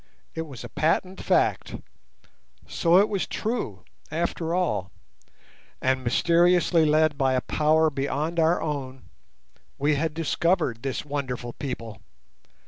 It was a patent fact. So it was true, after all; and, mysteriously led by a Power beyond our own, we had discovered this wonderful people.